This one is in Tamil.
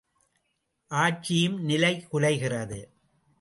ஆட்சியும் நிலை குலைகிறது.